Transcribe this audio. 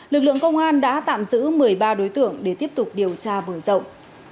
lực lượng công an đã tạm giữ một mươi ba đối tượng để tiếp tục điều tra mở rộng